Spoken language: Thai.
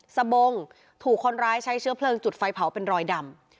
สบงถูกคนร้ายใช้เชื้อเพลิงจุดไฟเผาเป็นรอยดำ